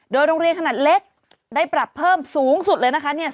โดยโรงเรียนขนาดเล็กได้ปรับเพิ่มสูงสุดเลยนะคะ